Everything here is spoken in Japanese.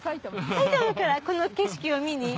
埼玉からこの景色を見に？